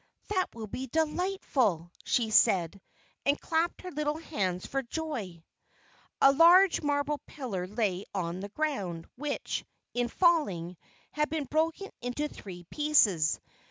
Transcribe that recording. "That will be delightful!" she said, and clapped her little hands for joy. A large marble pillar lay on the ground, which, in falling, had been broken into three pieces.